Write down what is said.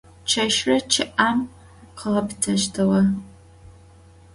Çeşre ççı'em khığepıteştıge.